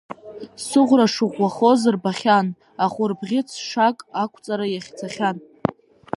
Сыхәра шыӷәӷәахоз рбахьан, Ахәырбӷьыц ҽак ақәҵара иахьӡахьан.